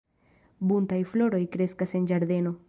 Buntaj floroj kreskas en ĝardeno.